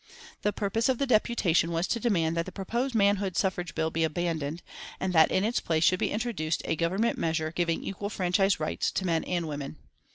The purpose of the deputation was to demand that the proposed manhood suffrage bill be abandoned, and that in its place should be introduced a Government measure giving equal franchise rights to men and women.